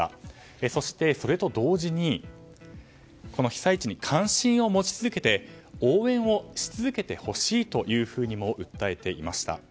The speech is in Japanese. そして、それと同時に被災地に関心を持ち続けて応援をし続けてほしいとも訴えていました。